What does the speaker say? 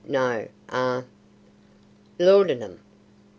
No. Eh! Laudanum!